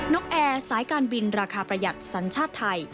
กแอร์สายการบินราคาประหยัดสัญชาติไทย